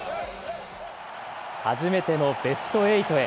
初めてのベスト８へ。